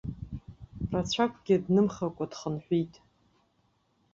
Рацәакгьы днымхакәа дхынҳәит.